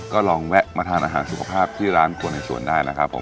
ก็ลองแวะมาทานอาหารสุขภาพที่ร้านคนในสวนได้นะครับผม